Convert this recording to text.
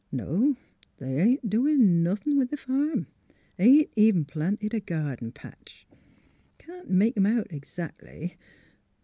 — No! They ain't doin' nothin' with th' farm; ain't even planted a garden patch. Can't make 'em out exactly.